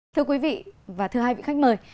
thưa quý vị và thưa hai vị khách mời